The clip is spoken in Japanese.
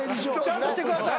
ちゃんとしてください。